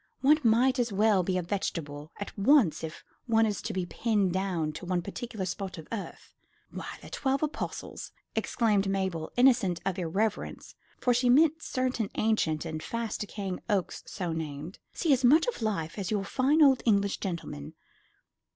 One might as well be a vegetable at once if one is to be pinned down to one particular spot of earth. Why, the Twelve Apostles," exclaimed Mabel, innocent of irreverence, for she meant certain ancient and fast decaying oaks so named, "see as much of life as your fine old English gentleman.